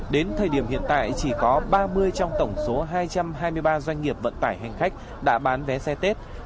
đến thời điểm hiện tại chỉ có ba mươi trong tổng số hai trăm hai mươi ba doanh nghiệp vận tải hành khách đã bán vé xe tết